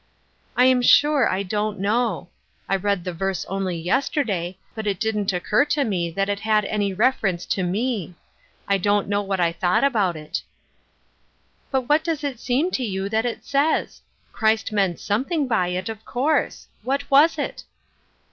" I'm sure I don't know. I read the verse only yesterday, but it didn't occur to me that it had any reference to me. I don't know what I thought about it." " But what does it seem to you that it says ? Christ meant something by it, of course. What was it